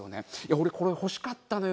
俺これ欲しかったのよ。